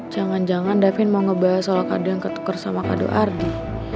jangan jangan davin mau ngebahas soal kadang ketuker sama kado ardi